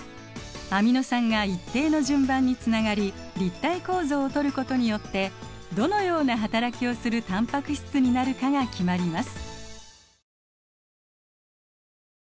アミノ酸が一定の順番につながり立体構造をとることによってどのような働きをするタンパク質になるかが決まります。